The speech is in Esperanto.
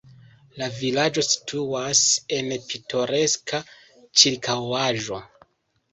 La vilaĝo situas en pitoreska ĉirkaŭaĵo.